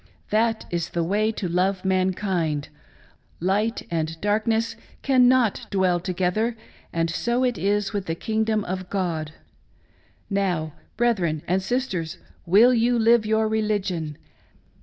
That is the way to love mankind. ... Light and darkness cannot dwell together, and so it is with the kingdom of God. " Now, brethren and sisters, will you live your religion